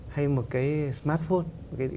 hay một cái smartphone